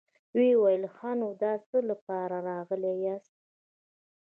ويې ويل: ښه نو، د څه له پاره راغلي ياست؟